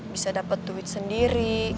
bisa dapat duit sendiri